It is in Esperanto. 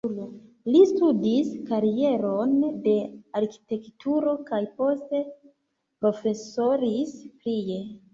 Li studis karieron de arkitekturo kaj poste profesoris prie.